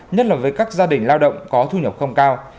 nhất là với các gia đình lao động có thu nhập không cao